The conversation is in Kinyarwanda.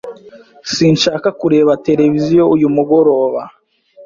Sinshaka kureba televiziyo uyu mugoroba.